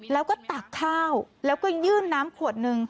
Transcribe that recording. แล้วก็ตักข้าวแล้วก็ยื่นน้ำขวดนึง